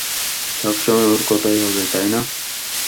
সবসময় ওর কথাই হবে, তাই না?